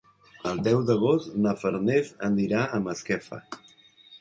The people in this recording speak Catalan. El deu d'agost na Farners anirà a Masquefa.